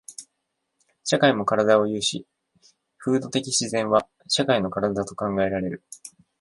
社会も身体を有し、風土的自然は社会の身体と考えられる。